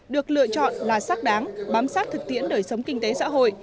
được lựa chọn là sắc đáng bám sát thực tiễn đời sống kinh tế xã hội